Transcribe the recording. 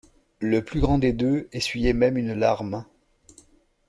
Le plus grand des deux essuyait même une larme.